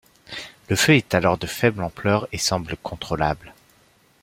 Le feu est alors de faible ampleur et semble contrôlable.